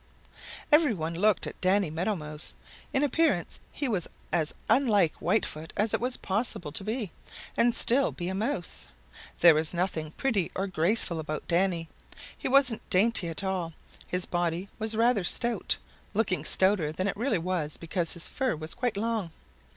Every one looked at Danny Meadow Mouse. In appearance he was as unlike Whitefoot as it was possible to be and still be a Mouse. There was nothing pretty or graceful about Danny. He wasn't dainty at all. His body was rather stout, looking stouter than it really was because his fur was quite long.